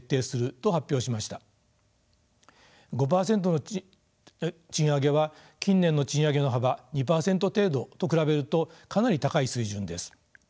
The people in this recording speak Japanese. ５％の賃上げは近年の賃上げの幅２％程度と比べるとかなり高い水準です。